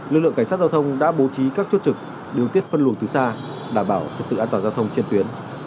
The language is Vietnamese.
lực lượng cảnh sát giao thông đã bố trí các chốt trực điều tiết phân luồng từ xa đảm bảo trật tự an toàn giao thông trên tuyến